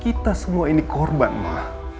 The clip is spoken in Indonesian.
kita semua ini korban malah